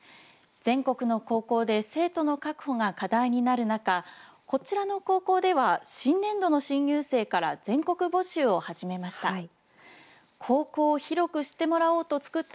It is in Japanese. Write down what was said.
全国の高校で生徒の確保が課題になる中こちらの高校では新年度の新入生から全国募集を始めました。